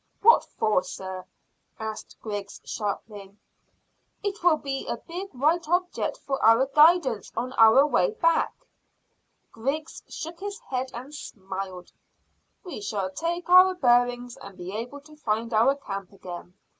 "What for, sir?" asked Griggs sharply. "It will be a big white object for our guidance on our way back." Griggs shook his head and smiled. "We shall take our bearings, and be able to find our camp again.